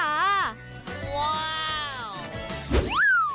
ว้าว